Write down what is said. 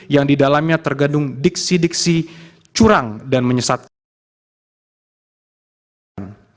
yang didalamnya tergandung diksi diksi curang dan menyesatkan